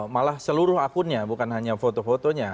malah seluruh akunnya bukan hanya foto fotonya